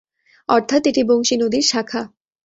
অর্থাৎ এটি বংশী নদীর শাখা।